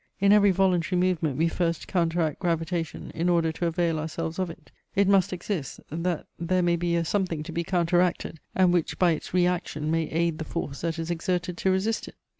In every voluntary movement we first counteract gravitation, in order to avail ourselves of it. It must exist, that there may be a something to be counteracted, and which, by its re action, may aid the force that is exerted to resist it.